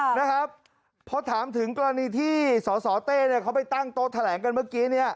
นะครับพอถามถึงกรณีที่สสเต้เนี่ยเขาไปตั้งโต๊ะแถลงกันเมื่อกี้เนี่ย